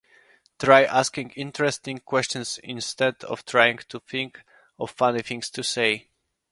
Try asking interesting questions instead of trying to think of funny things to say.